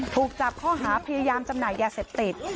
ถูกจับข้อหาพยายามจำหน่ายยาเสพติด